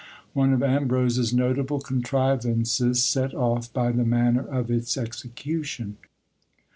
One of Ambrose's notable contrivances set off by the manner of its execution.